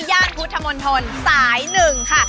ย่านพุทธมนตรสาย๑ค่ะ